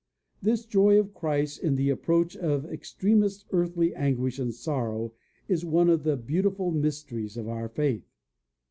This joy of Christ in the approach of extremest earthly anguish and sorrow is one of the beautiful mysteries of our faith.